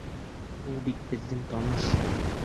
Ул бит беҙҙең таныш.